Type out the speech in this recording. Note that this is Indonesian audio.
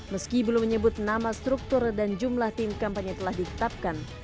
meski belum menyebut nama struktur dan jumlah tim kampanye telah ditetapkan